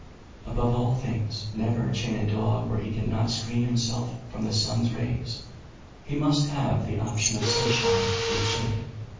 Above all things, never chain a dog where he cannot screen himself from the sun's rays. He must have the option of sunshine or shade.